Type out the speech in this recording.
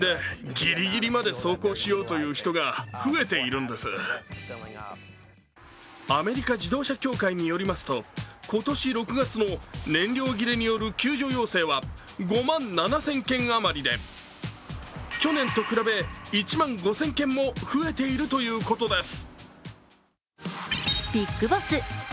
その理由はアメリカ自動車協会によりますと今年６月の燃料切れによる救助要請は５万７０００件余りで、去年と比べ、１万５０００件も増えているということです。